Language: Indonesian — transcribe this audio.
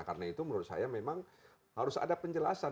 karena itu menurut saya memang harus ada penjelasan